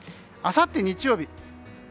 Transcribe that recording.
あさって日曜日。